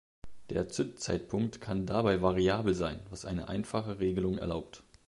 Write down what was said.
Der Zündzeitpunkt kann dabei variabel sein, was eine einfache Regelung erlaubt.